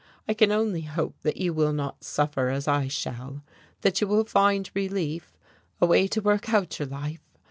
I can only hope that you will not suffer as I shall, that you will find relief away to work out your life.